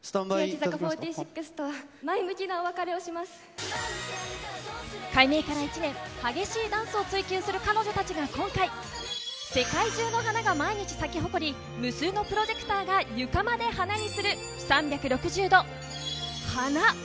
櫻坂４６とは前向きなお別れ改名から１年、激しいダンスを追求する彼女たちが今回、世界中の花が毎日咲き誇り、無数のプロジェクターが床まで花が舞う３６０度、花！